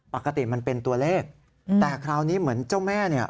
ปกติมันเป็นตัวเลขแต่คราวนี้เหมือนเจ้าแม่เนี่ย